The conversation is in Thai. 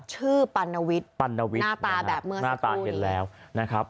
ชื่อปัณวิทหน้าตาแบบเมื่อสักครู่นี้